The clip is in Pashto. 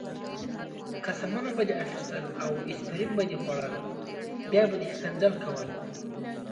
قسمونه به دې اخیستل او اسپرین به دې خوړل، بیا به دې ښکنځل کول.